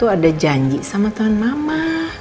ada janji sama tuhan mama